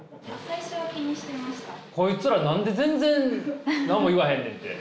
こいつら何で全然何も言わへんねんって？